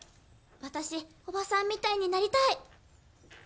私おばさんみたいになりたい！